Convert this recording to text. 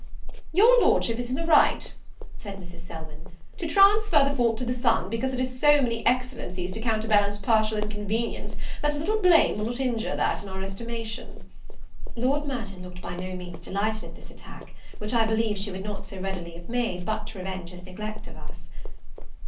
"Your Lordship is in the right," said Mrs. Selwyn, "to transfer the fault to the sun, because it has so many excellencies to counterbalance partial inconveniences that a little blame will not injure that in our estimation." Lord Merton looked by no means delighted at this attack; which I believe she would not so readily have made, but to revenge his neglect of us.